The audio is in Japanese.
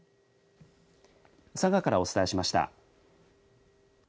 佐賀からお伝えしました。